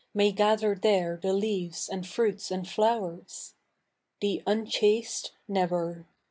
May gather there the leaves and fruits and flowers — The tinchaste, never.